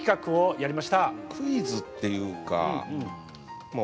クイズっていうかまあ